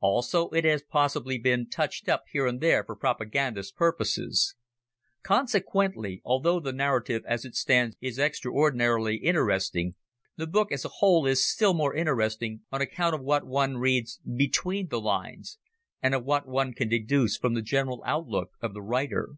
Also it has possibly been touched up here and there for propagandist purposes. Consequently, although the narrative as it stands is extraordinarily interesting, the book as a whole is still more interesting on account of what one reads between the lines, and of what one can deduce from the general outlook of the writer.